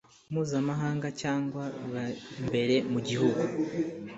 mpuzamahanga cyangwa b imbere mugihugu